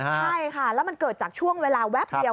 ใช่ค่ะแล้วมันเกิดจากช่วงเวลาแวบเดียว